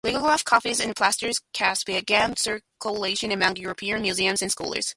Lithographic copies and plaster casts began circulating among European museums and scholars.